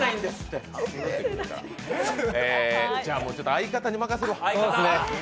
相方に任せよう。